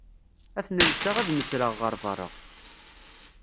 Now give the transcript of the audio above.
Ad ten-lseɣ ad nesreɣ ɣer berra.